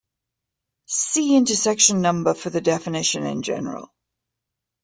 See intersection number for the definition in general.